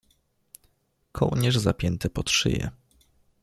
Kołnierz, zapięty pod szyję.